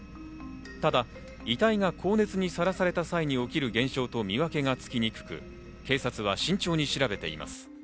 ただ遺体が高熱にさらされた際に起きる現象と見分けがつきにくく、警察は慎重に調べています。